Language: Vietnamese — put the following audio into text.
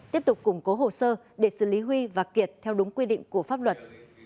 tiếp tục củng cố hồ sơ để xử lý huy và kiệt theo đúng quy định của pháp luật